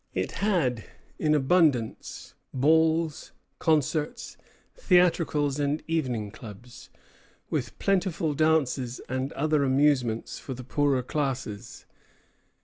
It had, in abundance, balls, concerts, theatricals, and evening clubs, with plentiful dances and other amusements for the poorer classes.